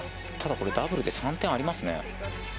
ただこれダブルで３点ありますね。